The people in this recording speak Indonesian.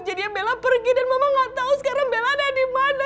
jadi bella pergi dan mama gak tahu sekarang bella ada di mana